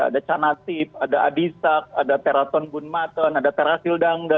ada canasib ada adisak ada teraton bunmaten ada terasil dangda